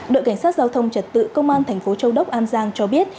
đội cảnh sát giao thông trật tự công an tp châu đốc an giang cho biết